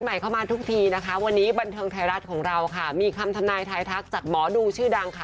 ใหม่เข้ามาทุกทีนะคะวันนี้บันเทิงไทยรัฐของเราค่ะมีคำทำนายทายทักจากหมอดูชื่อดังค่ะ